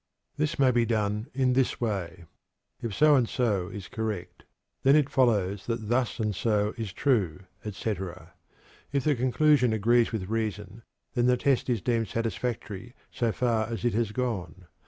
This may be done in this way: "If so and so is correct, then it follows that thus and so is true," etc. If the conclusion agrees with reason, then the test is deemed satisfactory so far as it has gone.